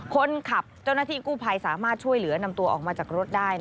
คนขับเจ้าหน้าที่กู้ภัยสามารถช่วยเหลือนำตัวออกมาจากรถได้